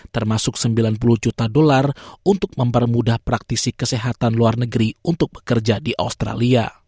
termasuk sembilan puluh juta dolar untuk mempermudah praktisi kesehatan luar negeri untuk bekerja di australia